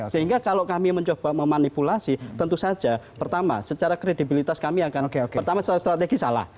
sehingga kalau kami mencoba memanipulasi tentu saja pertama secara kredibilitas kami akan pertama secara strategi salah